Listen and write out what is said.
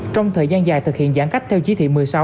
trong thời gian dài thực hiện giãn cách theo chí thị một mươi sáu